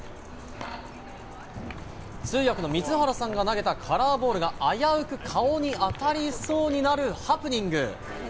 通訳の水原さんが投げたカラーボールが危うく顔に当たりそうになるハプニング。